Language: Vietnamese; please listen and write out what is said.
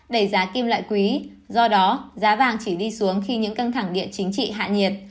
đẩy giá kim loại quý do đó giá vàng chỉ đi xuống khi những căng thẳng địa chính trị hạ nhiệt